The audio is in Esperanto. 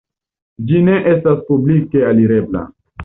Ĝi ne estas publike alirebla.